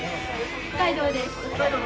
北海道です。